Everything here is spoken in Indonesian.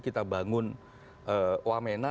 kita bangun wamena